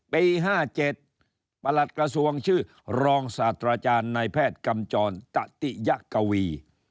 ปี๕๗ประหลัดกระทรวงชื่อรองศาสตราจารย์นายแพทย์กำจรตะติยะกวี